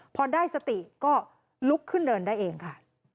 พอได้สติก็ลุกขึ้นเดินได้เองค่ะ